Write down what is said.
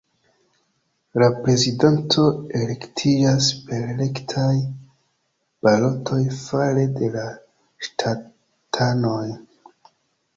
La prezidanto elektiĝas per rektaj balotoj fare de la ŝtatanoj.